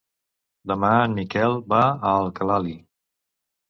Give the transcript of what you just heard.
Demà en Miquel va a Alcalalí.